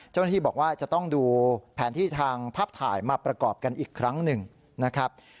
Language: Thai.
เจ้าหน้าที่บอกว่าจะต้องดูแผนที่ทางภาพถ่ายมาประกอบกันอีกครั้งหนึ่งนะครับ